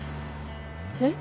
えっ？